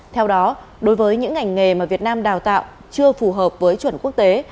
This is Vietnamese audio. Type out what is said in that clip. theo đó đối với những ngành nghề mà việt nam đào tạo chưa phù hợp với chuẩn quốc tế